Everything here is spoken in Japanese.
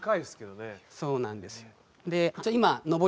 そうなんですよ。